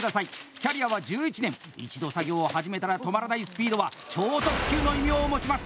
キャリアは１１年一度作業を始めたら止まらないスピードは「超特急」の異名を持ちます。